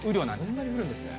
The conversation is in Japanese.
そんなに降るんですね。